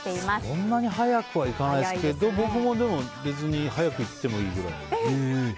そんなに早くは行かないですけど僕も別に早く行ってもいいくらい。